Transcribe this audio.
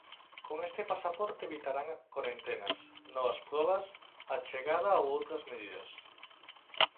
Con este pasaporte evitarán corentenas, novas probas á chegada ou outras medidas.